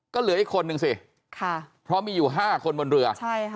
ก็เหลืออีกคนหนึ่งสิพอมีอยู่๕คนบนเรือ